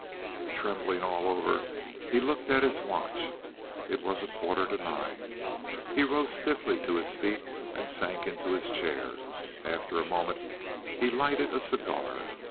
Trembling all over, he looked at his watch; it was a quarter to nine. He rose stiffly to his feet and sank into his chair. After a moment he lighted a cigar.